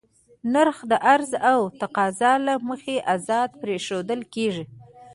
نرخ د عرضې او تقاضا له مخې ازاد پرېښودل کېږي.